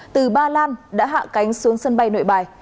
từ ba lan đã hạ cánh xuống sân bay nội bài